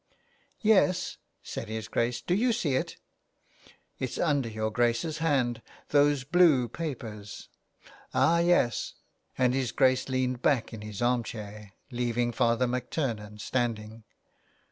" Yes," said his Grace, " do you see it ?"" It's under your Grace's hand, those blue papers." " Ah yes," and his Grace leaned back in his arm chair, leaving Father MacTurnan standing.